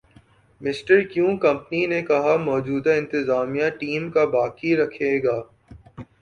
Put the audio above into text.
mister Kevin company نے کہا موجودہ انتظامیہ ٹیم کا باقی رکھے گا